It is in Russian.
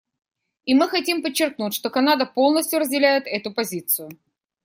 И мы хотим подчеркнуть, что Канада полностью разделяет эту позицию.